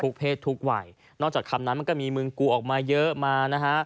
เพศทุกวัยนอกจากคำนั้นมันก็มีมึงกูออกมาเยอะมานะฮะ